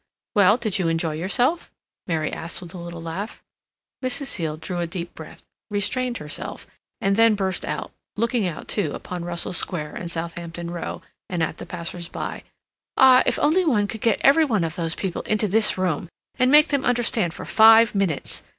"Well, did you enjoy yourself?" Mary asked, with a little laugh. Mrs. Seal drew a deep breath, restrained herself, and then burst out, looking out, too, upon Russell Square and Southampton Row, and at the passers by, "Ah, if only one could get every one of those people into this room, and make them understand for five minutes!